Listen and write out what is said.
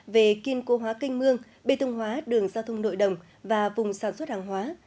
về kiên cố hóa kênh mương bê tông hóa đường giao thông nội đồng và vùng sản xuất hàng hóa